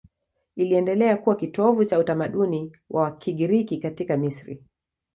Iliendelea kuwa kitovu cha utamaduni wa Kigiriki katika Misri.